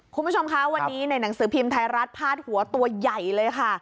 คุณผู้ชมคะวันนี้ในหนังสือพิมพ์ไทยรัฐพาดหัวตัวใหญ่เลยค่ะ